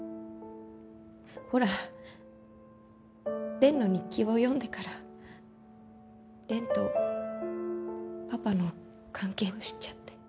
ほらの日記を読んでからとパパの関係を知っちゃって。